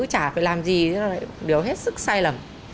chả phải làm gì thế là đều hết sức sai lầm